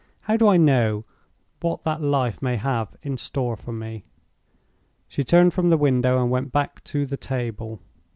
"How do I know what that life may have in store for me?" She turned from the window and went back to the table.